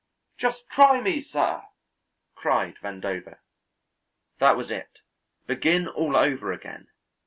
"Just try me, sir!" cried Vandover. That was it, begin all over again.